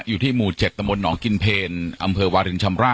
อยู่ที่หมู่เจ็ดตะมนต์หนองกิลเทรนอำเภอวาลินชำระ